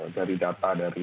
dari data dari